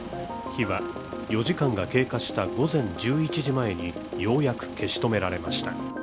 火は４時間が経過した午前１１時前にようやく消し止められました。